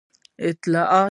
اطاعت په څه کې دی؟